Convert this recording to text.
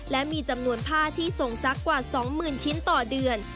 และมีจำนวนผ้าที่ส่งซักกว่า๒๐๐๐ชิ้นต่อเดือน